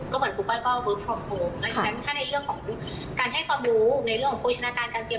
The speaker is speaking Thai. ถ้าในเรื่องของเธอนักงานนี้การให้ความรู้ในเรื่องของพวิชนาการการเตรียม